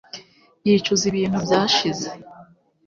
Yicuza ibintu byashize